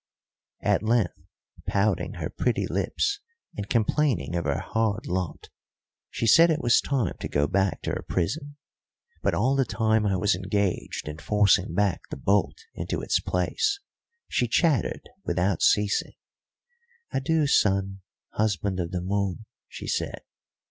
At length, pouting her pretty lips and complaining of her hard lot, she said it was time to go back to her prison; but all the time I was engaged in forcing back the bolt into its place she chattered without ceasing. "Adieu, Sun, husband of the moon," she said.